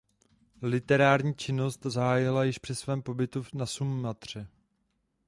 Literární činnost zahájila již při svém pobytu na Sumatře.